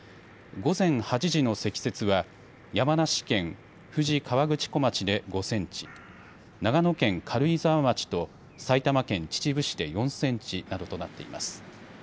午前８時の積雪は山梨県富士河口湖町で５センチ、長野県軽井沢町と埼玉県秩父市で４センチなどとなっています。